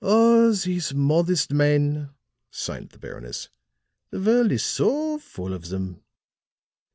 "Oh, these modest men," sighed the Baroness. "The world is so full of them."